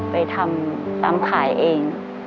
ไปทำตามขายเอง